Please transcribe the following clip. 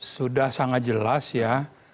sudah sangat jelas ya